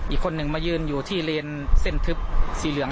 อีกคนหนึ่งมายืนอยู่ที่เลนเส้นทึบสีเหลือง